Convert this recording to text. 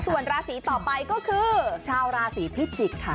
ส่วนราศีต่อไปก็คือชาวราศีพิจิกษ์ค่ะ